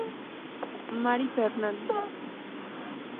Mary Fernández.